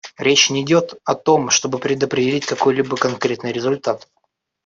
Речь не идет о том, чтобы предопределить какой-либо конкретный результат.